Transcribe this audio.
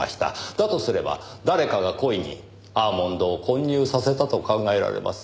だとすれば誰かが故意にアーモンドを混入させたと考えられます。